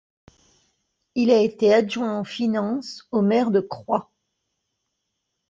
Il a été adjoint aux finances au maire de Croix.